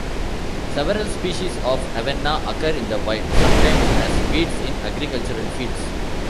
Several species of "Avena" occur in the wild, sometimes as weeds in agricultural fields.